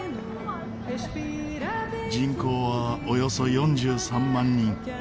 人口はおよそ４３万人。